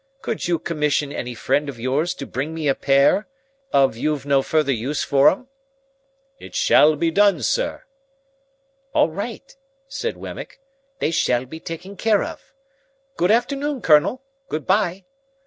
Could you commission any friend of yours to bring me a pair, if you've no further use for 'em?" "It shall be done, sir." "All right," said Wemmick, "they shall be taken care of. Good afternoon, Colonel. Good bye!"